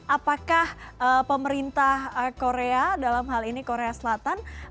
apakah pemerintah korea dalam hal ini korea selatan